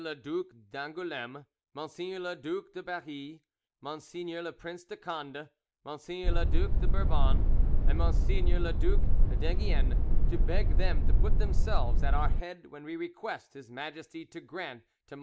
le Duc d'Angouleme, Mgr. le Duc de Berry, Mgr. le Prince de Conde, Mgr. le Due de Bourbon, and Mgr. le Duc d'Enghien, to beg them to put themselves at our head when we request His Majesty to grant to MM.